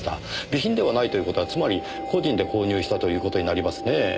備品ではないという事はつまり個人で購入したという事になりますねぇ。